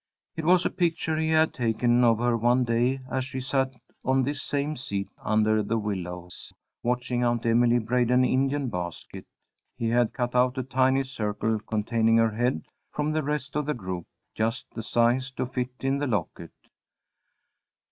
It was a picture he had taken of her one day as she sat on this same seat under the willows, watching Aunt Emily braid an Indian basket. He had cut out a tiny circle containing her head, from the rest of the group, just the size to fit in the locket.